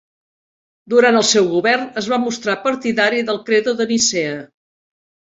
Durant el seu govern es va mostrar partidari del credo de Nicea.